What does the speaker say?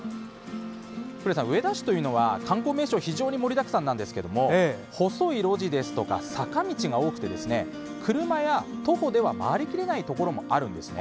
上田市という場所は観光名所非常に盛りだくさんなんですが細い路地ですとか、坂道が多くて車や徒歩では回りきれないところ結構あるんですね。